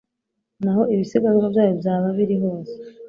n aho ibisigazwa byayo byaba biri hose